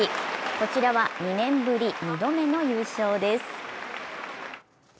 こちらは２年ぶり２度目の優勝です。